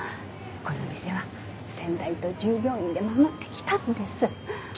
この店は先代と従業員で守って来たんです。